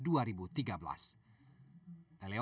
pada hari ini penyelenggaraan yang menangkap di poso sulawesi tenggara